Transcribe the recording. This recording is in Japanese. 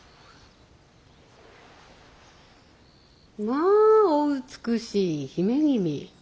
まあお美しい姫君。